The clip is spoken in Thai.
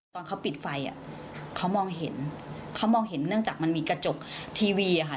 ตอนเขาปิดไฟอ่ะเขามองเห็นเขามองเห็นเนื่องจากมันมีกระจกทีวีอ่ะค่ะ